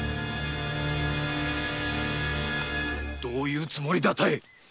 どういうつもりだ多江？